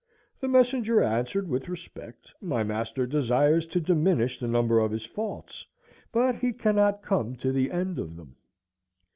The messenger answered with respect: My master desires to diminish the number of his faults, but he cannot come to the end of them.